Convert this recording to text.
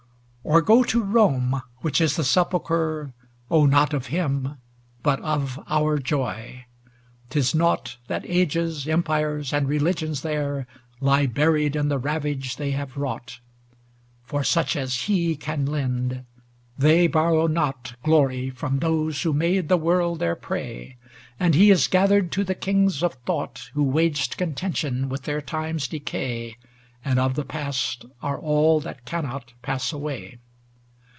XLVIII Or go to Rome, which is the sepulchre. Oh, not of him, but of our joy; 't is nought That ages, empires, and religions, there Lie buried in the ravage they have wrought; For such as he can lend, ŌĆö they borrow not Glory from those who made the world their prey; And he is gathered to the kings of thought 3i6 ADONAIS Who waged contention with their time's decay, And of the past are all that cannot pass away.